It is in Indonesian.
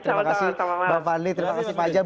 terima kasih mbak fadli terima kasih pak ajan